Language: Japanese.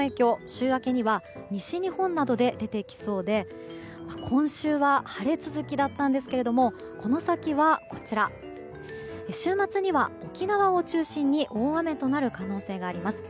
週末には西日本などで出てきそうで今週は晴れ続きだったんですけれどもこの先は週末には沖縄を中心に大雨となる可能性があります。